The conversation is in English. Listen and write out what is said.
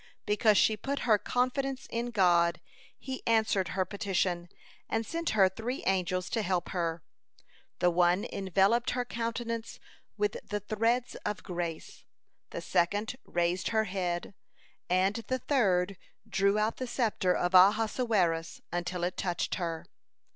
(146) Because she put her confidence in God, He answered her petition, and sent her three angels to help her: the one enveloped her countenance with "the threads of grace," the second raised her head, and the third drew out the sceptre of Ahasuerus until it touched her.